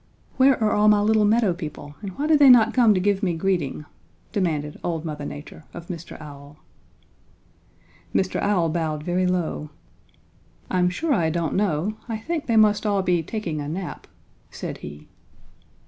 'Where are all my little meadow people and why do they not come to give me greeting?' demanded old Mother Nature of Mr. Owl. "Mr. Owl bowed very low. 'I'm sure I don't know. I think they must all be taking a nap,' said he.